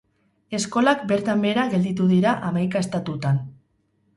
Eskolak bertan behera gelditu dira hamaika estatutan.